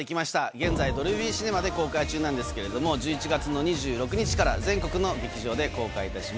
現在ドルビーシネマで公開中なんですけれども１１月の２６日から全国の劇場で公開いたします。